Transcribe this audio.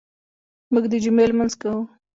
موږ د جمعې لمونځ کوو.